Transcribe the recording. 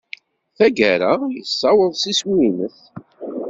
Tagara, yessaweḍ s iswi-nnes.